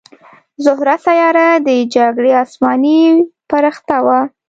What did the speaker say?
زهره سیاره د جګړې اسماني پرښته وه